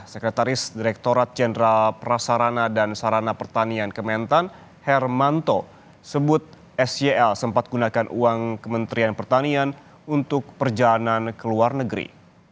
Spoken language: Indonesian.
sekretaris direkturat jenderal prasarana dan sarana pertanian kementan hermanto sebut sel sempat gunakan uang kementerian pertanian untuk perjalanan ke luar negeri